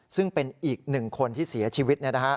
ซึ่งเป็นอีกหนึ่งคนที่เสียชีวิต